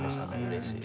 嬉しい。